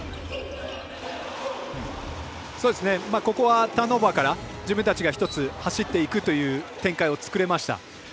ここはターンオーバーから自分たちが一つ走っていくという展開を作れました。